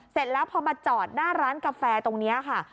เสร็จแล้วพอมาจอดหน้าร้านกาแฟตรงนี้ค่ะ